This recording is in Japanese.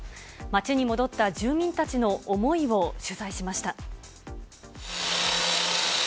街に戻った住民たちの思いを取材しました。